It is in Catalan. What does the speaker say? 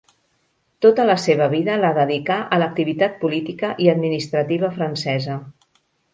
Tota la seva vida la dedicà a l'activitat política i administrativa francesa.